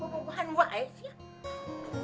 bobo bohan buah eh siap